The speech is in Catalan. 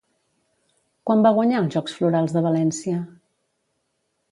Quan va guanyar els Jocs Florals de València?